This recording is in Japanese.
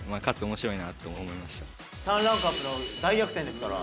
３ランクアップの大逆転ですから。